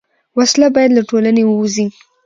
وسله باید له ټولنې ووځي